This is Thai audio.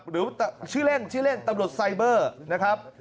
หรือชื่อเล่นชื่อเล่นตำรวจไซเบอร์นะครับ